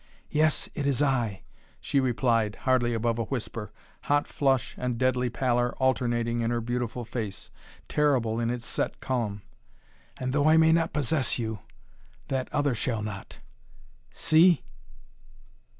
"Yes it is I," she replied, hardly above a whisper, hot flush and deadly pallor alternating in her beautiful face, terrible in its set calm. "And though I may not possess you that other shall not! See!"